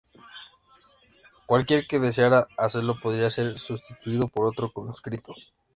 Cualquiera que deseara hacerlo podía ser sustituido por otro conscripto.